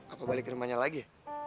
aku balik ke rumahnya lagi